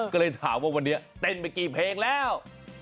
ก็เลยถามว่าวันนี้เต้นไปกี่เพลงแล้ว